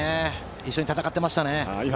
一緒に戦っていましたね。